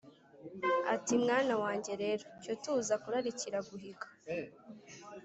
ati: "Mwana wanjye rero, cyo tuza kurarikira guhiga!